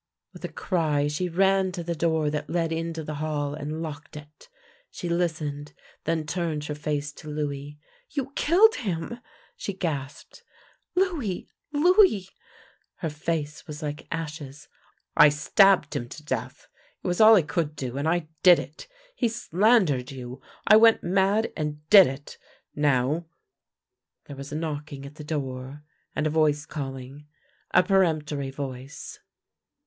With a cry she ran to the door that led into the hall and locked it. She listened, then turned her face to Louis. " You killed him! " she gasped. " Louis! Louis! " Her face was like ashes. " I stabbed him to death. It was all I could do, and I did it. He slandered you. I went mad, and did it. Now " THE LANE THAT HAD NO TURNING 87 There was a knocking at the door, and a voice calling — a peremptory voice.